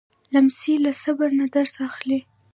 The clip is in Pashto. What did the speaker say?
لمسی له صبر نه درس اخلي.